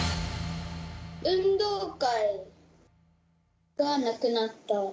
運動会がなくなった。